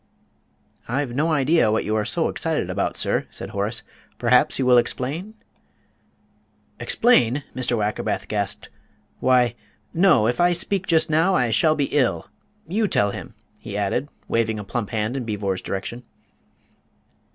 _" "I've no idea what you are so excited about, sir," said Horace. "Perhaps you will explain?" "Explain!" Mr. Wackerbath gasped; "why no, if I speak just now, I shall be ill: you tell him," he added, waving a plump hand in Beevor's direction.